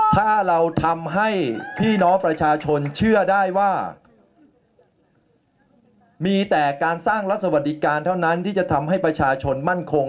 ถ้าเราทำให้พี่น้องประชาชนเชื่อได้ว่ามีแต่การสร้างรัฐสวัสดิการเท่านั้นที่จะทำให้ประชาชนมั่นคง